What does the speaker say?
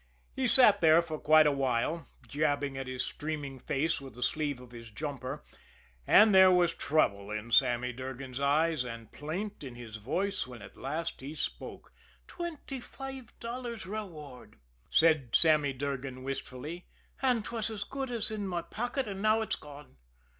He sat there for quite a while, jabbing at his streaming face with the sleeve of his jumper; and there was trouble in Sammy Durgan's eyes, and plaint in his voice when at last he spoke. "Twenty five dollars reward," said Sammy Durgan wistfully. "And 'twas as good as in my pocket, and now 'tis gone.